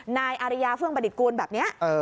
นายอารยาเพิ่งบริกูลแบบนี้